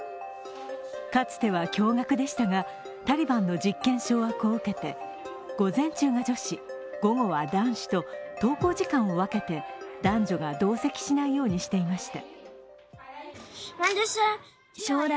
かつては共学でしたが、タリバンの実権掌握を受けて午前中が女子、午後は男子と登校時間を分けて男女が同席しないようにしていました。